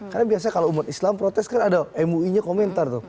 karena biasanya kalau umat islam protes kan ada mui nya komentar